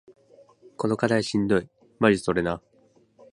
この課題しんどい